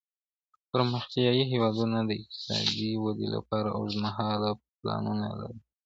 پرمختيايي هېوادونه د اقتصادي ودې لپاره اوږدمهاله پلانونه جوړوي.